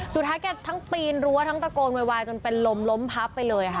แกทั้งปีนรั้วทั้งตะโกนโวยวายจนเป็นลมล้มพับไปเลยค่ะ